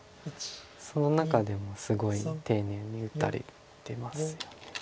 その中でもすごい丁寧に打たれてますよね。